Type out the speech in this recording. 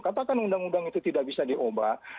katakan undang undang itu tidak bisa diubah